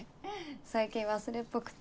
最近忘れっぽくて。